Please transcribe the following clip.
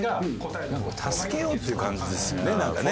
助けようっていう感じですよねなんかね。